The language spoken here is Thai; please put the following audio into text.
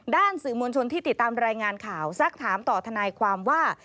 สื่อมวลชนที่ติดตามรายงานข่าวสักถามต่อทนายความว่า